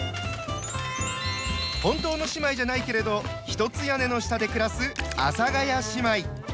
本当の姉妹じゃないけれど一つ屋根の下で暮らす「阿佐ヶ谷姉妹」。